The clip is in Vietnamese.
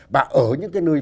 và ở những cái nơi